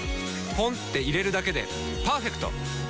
ポンって入れるだけでパーフェクト！